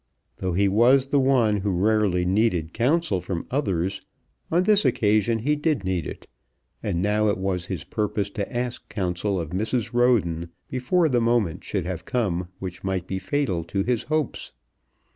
Though he was one who rarely needed counsel from others, on this occasion he did need it, and now it was his purpose to ask counsel of Mrs. Roden before the moment should have come which might be fatal to his hopes.